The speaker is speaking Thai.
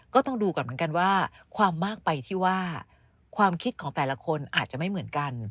ก็ต้องดูก่อนเหมือนกันว่าความมากไปที่ว่าความคิดของแต่ละคนอาจจะไม่เหมือนกัน